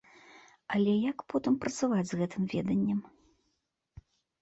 Але як потым працаваць з гэтым веданнем?